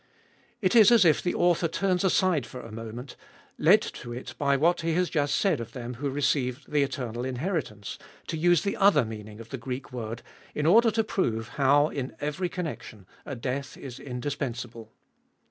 It is as if the author turns aside for a moment, led to it by what he had just said of them who receive the eternal inheritance, to use the other meaning of the Greek word in order to prove how, in every connection, a death is indispens able.